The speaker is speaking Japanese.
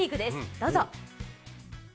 どうぞ。